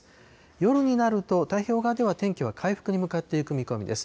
夜になると、太平洋側では天気は回復に向かっていく見込みです。